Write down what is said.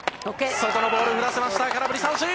外のボール振らせました、空振り三振。